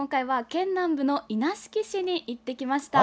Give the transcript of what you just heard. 県南部の稲敷市に行ってきました。